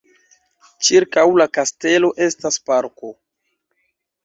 Ĉirkaŭ la kastelo estas parko.